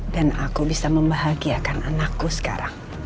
dan aku bisa membahagiakan anakku sekarang